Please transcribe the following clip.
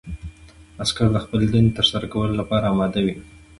عسکر د خپلې دندې ترسره کولو لپاره اماده وي.